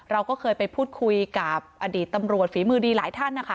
เราก็เคยไปพูดคุยกับอดีตตำรวจฝีมือดีหลายท่านนะคะ